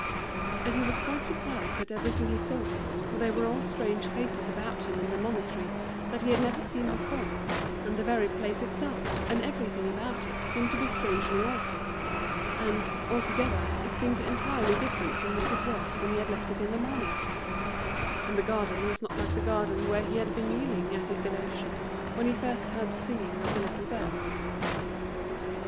And he was quite surprised at everything he saw, for they were all strange faces about him in the monastery that he had never seen before, and the very place itself, and everything about it, seemed to be strangely altered; and, altogether, it seemed entirely different from what it was when he had left in the morning; and the garden was not like the garden where he had been kneeling at his devotion when he first heard the singing of the little bird.